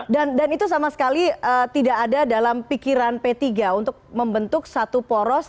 dan itu sama sekali tidak ada dalam pikiran p tiga untuk membentuk satu poros